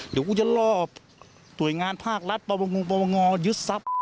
เดี๋ยวกูจะรอบหน่วยงานภาครัฐประวงงงปวงยึดทรัพย์